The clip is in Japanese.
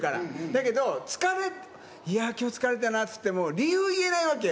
だけど、疲れ、いやー、きょう疲れたなって言っても、理由言えないわけよ。